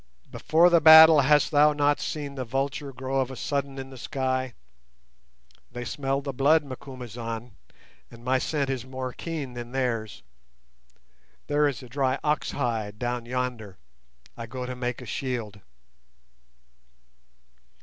Before the battle hast thou not seen the vulture grow of a sudden in the sky? They smell the blood, Macumazahn, and my scent is more keen than theirs. There is a dry ox hide down yonder; I go to make a shield."